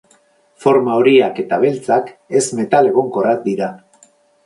Forma horiak eta beltzak ez-metal ezegonkorrak dira.